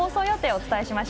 お伝えします。